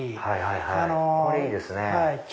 これいいですね。